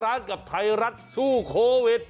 ร้านกับไทยรัฐสู้โควิด